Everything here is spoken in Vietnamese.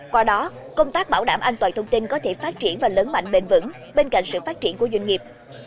qua đó công tác bảo đảm an toàn thông tin có thể phát triển và lớn mạnh bền vững bên cạnh sự phát triển của doanh nghiệp